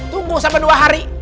tunggu sampai dua hari